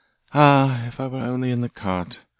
Ah, if I were only in the cart!